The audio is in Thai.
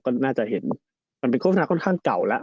ก็น่าจะเห็นมันเป็นโฆษณาค่อนข้างเก่าแล้ว